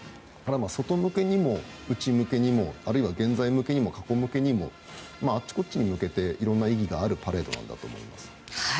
外向けにも内向けにもあるいは現在向けにも過去向けにもあっちこっちに向けていろんな意義があるパレードなんだと思います。